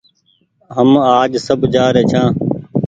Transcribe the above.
هم آج سب جآري ڇآن